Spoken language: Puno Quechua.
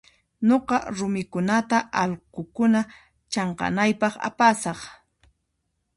Nuqa rumikunata allqukuna chanqanaypaq apasaq.